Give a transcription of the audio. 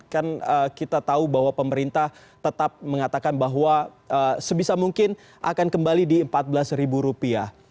kan kita tahu bahwa pemerintah tetap mengatakan bahwa sebisa mungkin akan kembali di empat belas rupiah